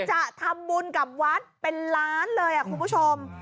จะทำบุญกับวัดเป็นล้านเลยคุณผู้ชม